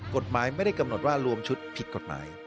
กฎหมายไม่ได้กำหนดว่ารวมชุดผิดกฎหมาย